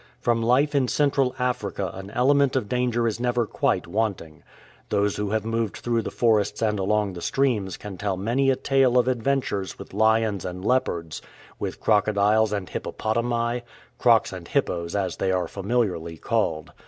From life in Central Africa an element of danger is never quite want ing. Those who have moved through the forests and along the streams can tell many a tale of adventures with lions and leopards, with crocodiles and hippopotami — crocs and hippos as they are familiarly called.